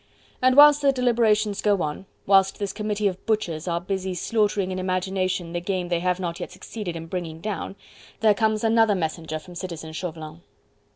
And whilst the deliberations go on, whilst this committee of butchers are busy slaughtering in imagination the game they have not yet succeeded in bringing down, there comes another messenger from Citizen Chauvelin.